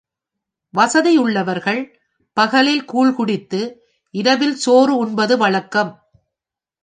வசதியுள்ளவர்கள் பகலில் கூழ்குடித்து, இரவில் சோறு உண்பது வழக்கம்.